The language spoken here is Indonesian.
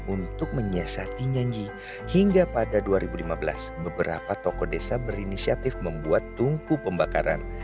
untuk menyiasati nyanyi hingga pada dua ribu lima belas beberapa toko desa berinisiatif membuat tungku pembakaran